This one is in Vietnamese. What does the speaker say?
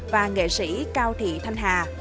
và nghệ sĩ cao thị thanh hà